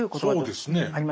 そうですね。